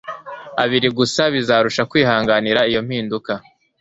abiri gusa bizarushya kwihanganira iyo mpinduka